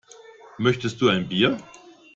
Möchtest du ein Bier?